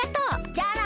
じゃあな。